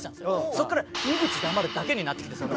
そこから「井口黙れ」だけになってきて。